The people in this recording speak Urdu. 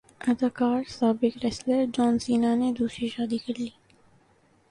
اداکار سابق ریسلر جان سینا نے دوسری شادی کرلی